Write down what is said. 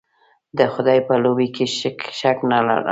د خدای په لویي کې شک نه ارم.